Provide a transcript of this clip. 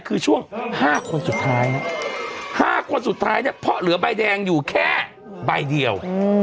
คือช่วง๕คนสุดท้าย๕คนสุดท้ายเนี่ยเพราะเหลือใบแดงอยู่แค่ใบเดียว